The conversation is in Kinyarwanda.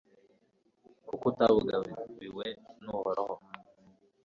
kuko atabugabiwe n'uhoraho